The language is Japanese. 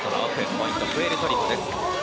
ポイントはプエルトリコです。